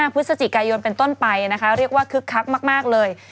พฤศจิกายนเป็นต้นไปนะคะเรียกว่าคึกคักมากเลย